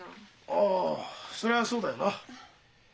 ああそりゃそうだよな。